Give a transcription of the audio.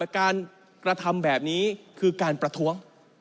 การกระทำแบบนี้คือการประท้วง